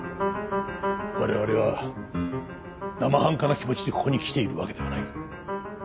我々は生半可な気持ちでここに来ているわけではない。